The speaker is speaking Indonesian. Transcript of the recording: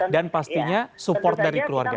dan pastinya support dari keluarga